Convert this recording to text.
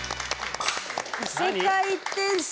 異世界・転生？